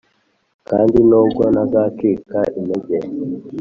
kandi nubwo ntazacika intege, -